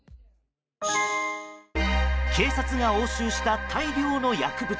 警察が押収した大量の薬物。